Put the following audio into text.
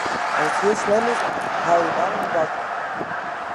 As it hiel slim is, helje dan in dokter.